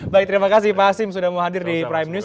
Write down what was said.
baik terima kasih pak hasim sudah mau hadir di prime news